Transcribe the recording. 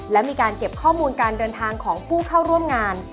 และมีการเก็บข้อมูลการเดินทางของผู้เข้าร่วมงาน